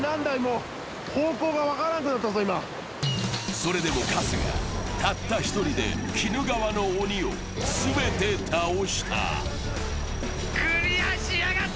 それでも春日、たった１人で鬼怒川の鬼を全て倒した。